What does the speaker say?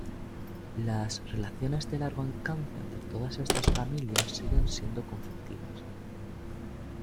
Las relaciones de largo alcance entre todas estas familias siguen siendo conflictivas.